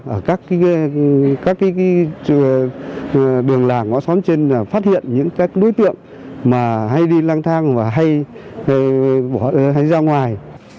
ở các cái đường làng ngõ xóm trên là phát hiện những các đối tượng mà hay đi lang thang hay ra ngoài